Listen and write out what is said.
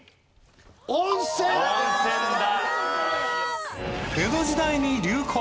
温泉だ。